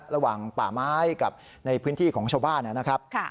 ระหว่างป่าไม้กับในพื้นที่ของชาวบ้านนะครับ